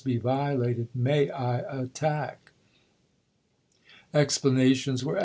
be violated, may I attack?" Explanations were l.p.iss!'